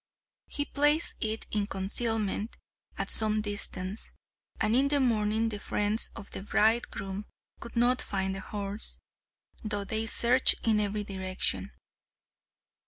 He placed it in concealment at some distance, and in the morning the friends of the bridegroom could not find the horse, though they searched in every direction.